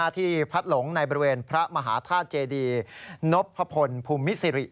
ที่พัดหลงในบริเวณพระมหาธาตุเจดีนพพลภูมิสิริ